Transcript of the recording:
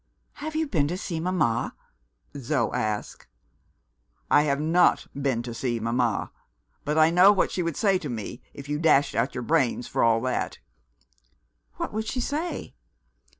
"Have you been to see Mama?" Zo asked. "I have not been to see Mama but I know what she would say to me if you dashed out your brains, for all that." "What would she say?"